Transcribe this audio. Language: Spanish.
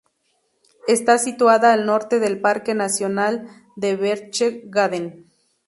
Está situada al norte del parque nacional de Berchtesgaden.